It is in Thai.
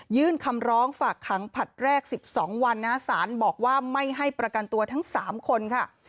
คำร้องฝากขังผลัดแรก๑๒วันนะสารบอกว่าไม่ให้ประกันตัวทั้ง๓คนค่ะ